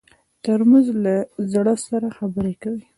ترموز له زړه سره خبرې کوي.